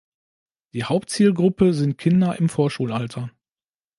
Die Hauptzielgruppe sind Kinder im Vorschulalter.